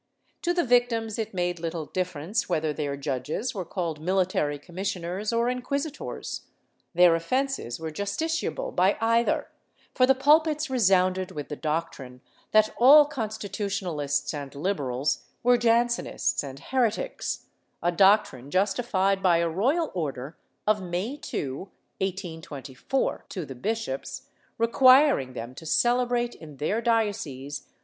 To the victims it made little dif ference whether their judges were called military commissioners or inquisitors; their offences were justiciable by either, for the pulpits resounded with the doctrine that all Constitutionalists and Liberals were Jansenists and heretics — a doctrine justified by a royal order of May 2, 1824, to the bishops, requiring them to celebrate, in their dioceses.